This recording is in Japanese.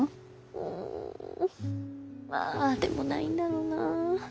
うんああでもないんだろうなあ。